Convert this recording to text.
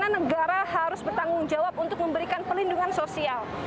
negara harus bertanggung jawab untuk memberikan perlindungan sosial